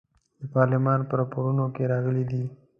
د پارلمان په راپورونو کې راغلي دي.